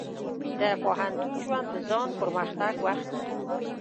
د پوهنتون ژوند د ځان پرمختګ وخت دی.